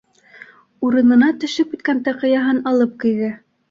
Урынына төшөп киткән таҡыяһын алып кейҙе.